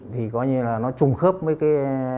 thì coi như là nó trùng khớp với cái